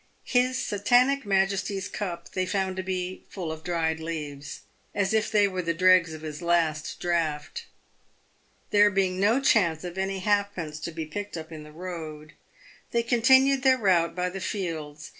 His Satanic Majesty's cup they found to be full of dried leaves, as if they were the dregs of his last draught. There being no chance of any halfpence to be picked up in the road, they continued their route by the fields.